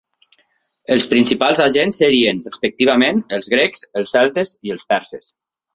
Els principals agents serien, respectivament, els grecs, els celtes i els perses.